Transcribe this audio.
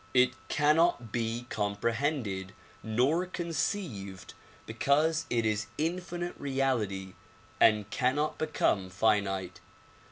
It cannot be comprehended nor conceived because it is infinite reality and cannot become finite.